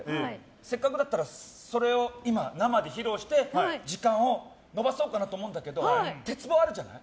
せっかくだったらそれを今、生で披露して時間を延ばそうかなと思うんだけど鉄棒あるじゃない。